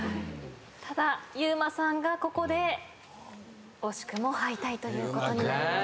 ただｙｕｍａさんがここで惜しくも敗退ということになりました。